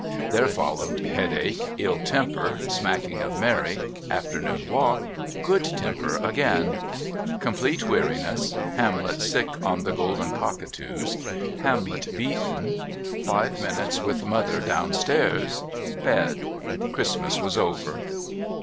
There followed Headache, Ill temper, Smacking of Mary, Afternoon Walk, Good Temper again, Complete Weariness, Hamlet sick on the Golden Cockatoos, Hamlet Beaten, Five minutes with Mother downstairs, Bed. .. Christmas was over.